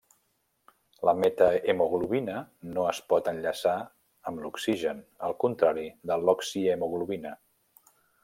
La metahemoglobina no es pot enllaçar amb l'oxigen, al contrari de l'oxihemoglobina.